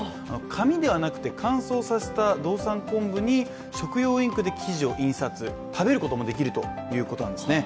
紙ではなくて乾燥させた道産昆布に食用インクで生地を印刷食べることもできるということなんですね。